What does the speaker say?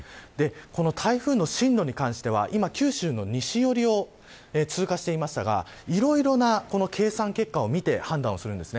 この台風の進路に関しては今、九州の西寄りを通過していましたがいろいろな計算結果を見て判断をするんです。